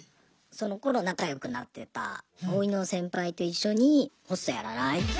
そのころ仲良くなってたボーイの先輩と一緒にホストやらない？って言われて。